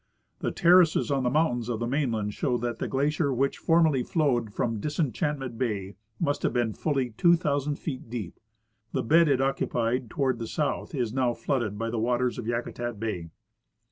The terraces on the mountains of the mainland show that the glacier Avhich formerly flowed out from Disenchantment bay must liaA^e been fully 2,000 feet deep. The bed it occupied toAvard the south is noAV flooded by the Avaters of Yakutat bay.